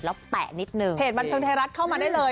แล้วแปะนิดนึงเพจบันเทิงไทยรัฐเข้ามาได้เลย